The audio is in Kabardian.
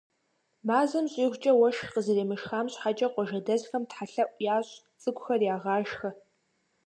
Мазэм щӏигъукӏэ уэшх къызэремышхам щхьэкӏэ, къуажэдэсхэм Тхьэлъэӏу ящӏ, цӏыкӏухэр ягъашхьэ.